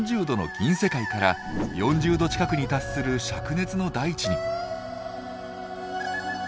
℃の銀世界から４０℃近くに達する灼熱の大地に。